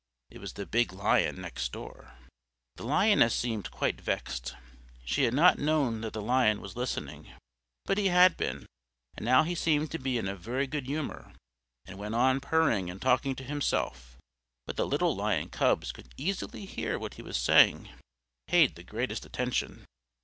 It was the big Lion next door. The Lioness seemed quite vexed; she had not known that the Lion was listening. But he had been, and now he seemed to be in a very good humor, and went on purring and talking to himself, but the little Lion Cubs could easily hear what he was saying, and paid the greatest attention.